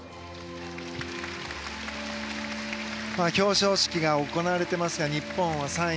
表彰式が行われていますが日本は３位。